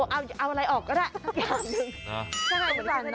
เอาอะไรออกก็ได้